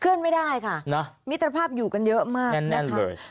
เคลื่อนไม่ได้ค่ะนะมิตรภาพอยู่กันเยอะมากแน่นแน่นเลย